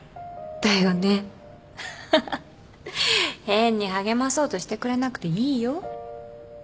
変に励まそうとしてくれなくていいよ？